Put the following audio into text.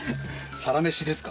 「サラメシ」ですか。